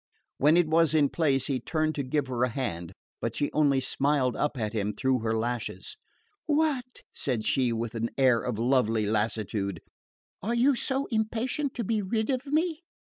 When it was in place he turned to give her a hand; but she only smiled up at him through her lashes. "What!" said she with an air of lovely lassitude, "are you so impatient to be rid of me?